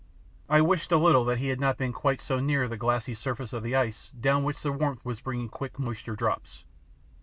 I wished a little that he had not been quite so near the glassy surface of the ice down which the warmth was bringing quick moisture drops.